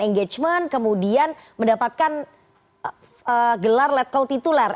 engagement kemudian mendapatkan gelar let call tituler